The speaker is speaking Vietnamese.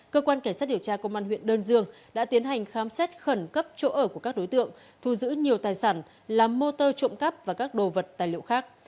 cơ quan cảnh sát điều tra công an huyện đơn dương đã tiến hành khám xét khẩn cấp chỗ ở của các đối tượng thu giữ nhiều tài sản làm motor trộm cắp và các đồ vật tài liệu khác